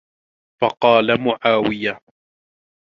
فَقَالَ مُعَاوِيَةُ